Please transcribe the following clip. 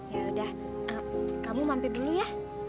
ya udah kamu mampir dulu ya